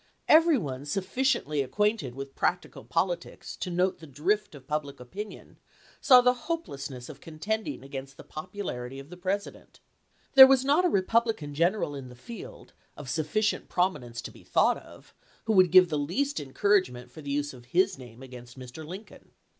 Every one sufficiently acquainted with practical politics to note the drift of public opinion saw the hopelessness of contending against the popularity of the President. There was not a Republican general in the field, of sufficient promi nence to be thought of, who would give the least encouragement for the use of his name against Mr. Lincoln.